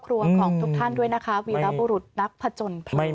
ครัวของทุกท่านด้วยนะคะวีล่าบุรุษนักผจญเพิง